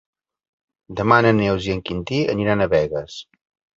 Demà na Neus i en Quintí aniran a Begues.